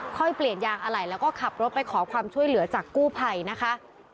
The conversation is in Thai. ค่อยเปลี่ยนยางอะไหล่แล้วก็ขับรถไปขอความช่วยเหลือจากกู้ภัยนะคะ